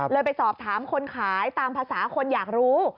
ไปสอบถามคนขายตามภาษาคนอยากรู้